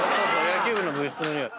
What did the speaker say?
野球部の部室のにおい。